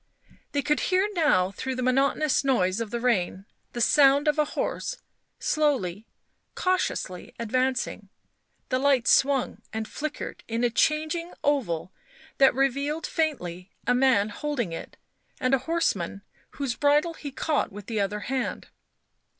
They could hear now, through the monotonous noise of the rain, the sound of a horse slowly, cautiously advancing ; the light swung and flickered in a changing oval that revealed faintly a man holding it and a horseman whose bridle he caught with the other hand.